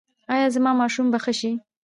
ایا زما ماشوم به ښه شي؟